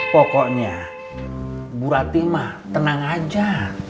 pokoknya bu ratimah tenang aja